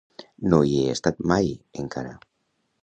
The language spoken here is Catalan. No hi he estat mai, encara.